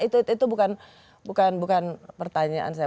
itu bukan pertanyaan saya